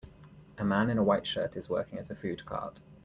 A man in a white shirt is working at a food cart.